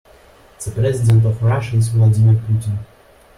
The president of Russia is Vladimir Putin.